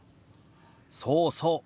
そうそう。